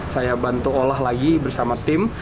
saya bantu olah lagi bersama tim